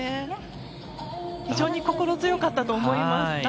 非常に心強かったと思います。